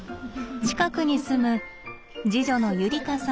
近くに住む次女のゆりかさん。